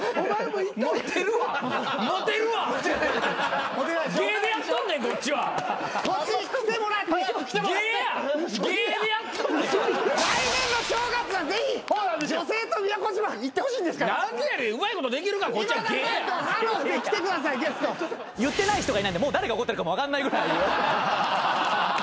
言ってない人がいないんでもう誰が怒ってるか分かんないぐらい。